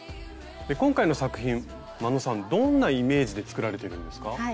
今回の作品眞野さんどんなイメージで作られてるんですか？